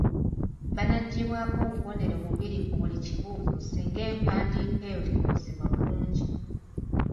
Banaggibwako obubonero bubiri ku buli kibuuzo singa empandiika eyo tetuusibwa bulungi.